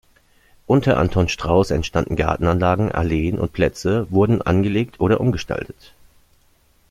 Unter Anton Strauß entstanden Gartenanlagen, Alleen und Plätze wurden angelegt oder umgestaltet.